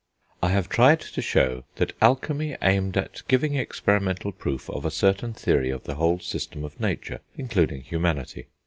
I have tried to show that alchemy aimed at giving experimental proof of a certain theory of the whole system of nature, including humanity.